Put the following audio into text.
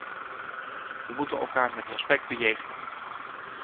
We moeten elkaar met respect bejegenen.